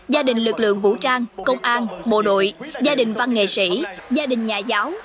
gia đình lực lượng vũ trang công an bộ đội gia đình văn nghệ sĩ gia đình nhà giáo